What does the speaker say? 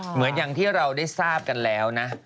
เหมือนอย่างที่เราได้ทราบกันแล้วนะ